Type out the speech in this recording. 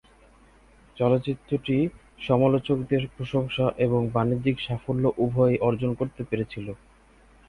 চলচ্চিত্রটি সমালোচকদের প্রশংসা এবং বাণিজ্যিক সাফল্য উভয়ই অর্জন করতে পেরেছিল।